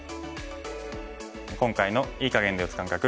今回の“いい”かげんで打つ感覚